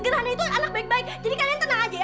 gerhana itu anak baik baik jadi kalian tenang aja ya